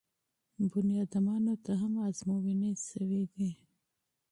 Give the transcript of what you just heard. انسانانو ته هم ازموینې شوي دي.